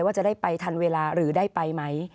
ขอบคุณครับ